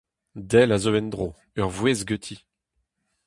Del a zeu en-dro, ur voest ganti.